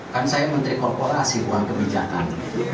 kan saya menteri korporasi uang kebijakan